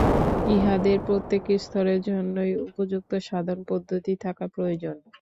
ইহাদের প্রত্যেক স্তরের জন্যই উপযুক্ত সাধন-পদ্ধতি থাকা প্রয়োজন।